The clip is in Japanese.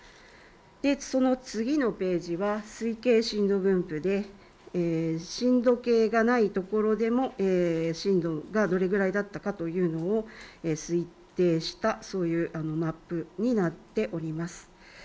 その次のページが推計震度分布で震度計がない所でも震度がどれくらいだったかというのを推定したマップになっております。